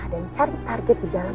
dan cari target di dalamnya